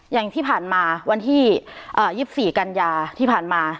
อย่างที่ผ่านมาวันที่๒๔กันยาที่ผ่านมา